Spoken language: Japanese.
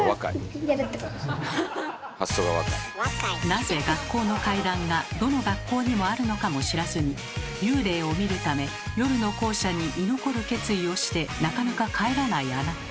なぜ学校の怪談がどの学校にもあるのかも知らずに幽霊を見るため夜の校舎に居残る決意をしてなかなか帰らないあなた。